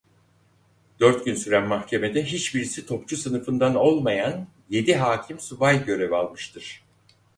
Dört gün süren mahkemede hiçbirisi topçu sınıfından olmayan yedi hakim subay görev almıştır.